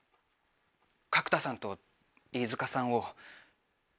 角田さんと飯塚さんを。